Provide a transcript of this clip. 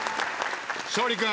勝利君。